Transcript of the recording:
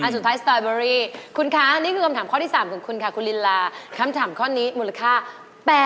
สตรอเบอร์รีอีกทีนี่เป็นผลไม้ถูกป่ะ